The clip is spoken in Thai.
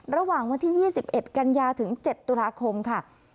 ระหว่างวันที่ยี่สิบเอ็ดกันยาถึงเจ็ดตุลาคมค่ะ